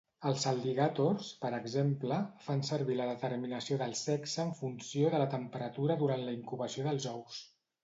Els al·ligàtors, per exemple, fan servir la determinació del sexe en funció de la temperatura durant la incubació dels ous.